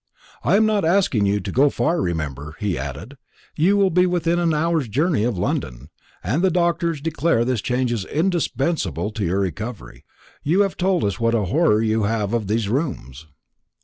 "I am not asking you to go far, remember," he added. "You will be within an hour's journey of London, and the doctors declare this change is indispensable to your recovery. You have told us what a horror you have of these rooms."